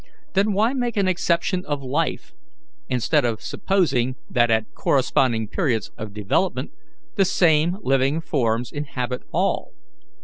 Then why make an exception of life, instead of supposing that at corresponding periods of development the same living forms inhabit all?